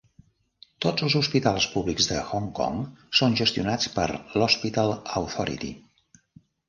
Tots els hospitals públics de Hong Kong són gestionats per l'Hospital Authority.